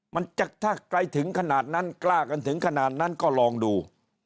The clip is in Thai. มันจะถ้าไกลถึงขนาดนั้นกล้ากันถึงขนาดนั้นก็ลองดู